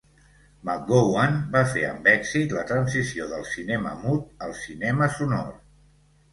McGowan va fer amb èxit la transició del cinema mut al cinema sonor.